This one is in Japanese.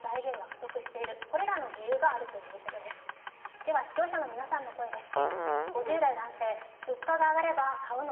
では視聴者の皆さんの声です。